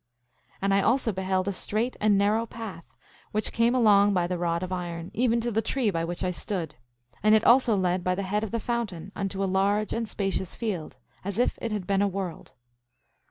8:20 And I also beheld a strait and narrow path, which came along by the rod of iron, even to the tree by which I stood; and it also led by the head of the fountain, unto a large and spacious field, as if it had been a world.